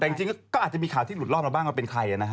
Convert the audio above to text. แต่จริงก็อาจจะมีข่าวที่หลุดล็อแบบใคร